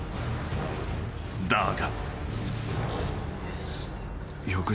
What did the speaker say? ［だが］